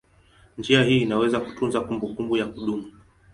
Njia hii inaweza kutunza kumbukumbu ya kudumu.